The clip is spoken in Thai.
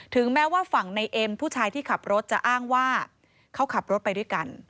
แม้ว่าฝั่งในเอ็มผู้ชายที่ขับรถจะอ้างว่าเขาขับรถไปด้วยกัน